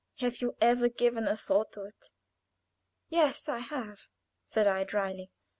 Have you ever given a thought to it?" "Yes, I have," said I, dryly.